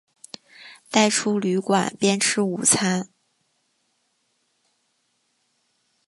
带出旅馆边吃午餐